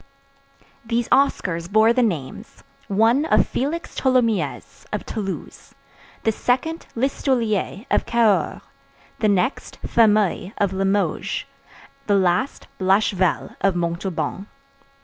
These Oscars bore the names, one of Félix Tholomyès, of Toulouse; the second, Listolier, of Cahors; the next, Fameuil, of Limoges; the last, Blachevelle, of Montauban.